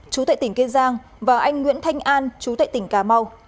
trú tại tỉnh kiên giang và anh nguyễn thanh an trú tại tỉnh cà mau